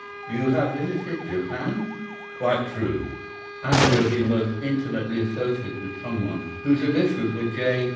"'You have visited Japan.' "'Quite true.' "'And you have been most intimately associated with some one whose initials were J.